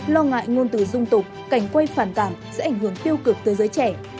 lo ngại ngôn từ dung tục cảnh quay phản cảm sẽ ảnh hưởng tiêu cực tới giới trẻ